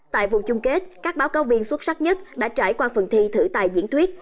tại vòng chung kết các báo cáo viên xuất sắc nhất đã trải qua phần thi thử tài diễn thuyết